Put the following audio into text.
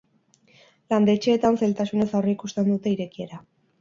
Landetxeetan zailtasunez aurreikusten dute irekiera.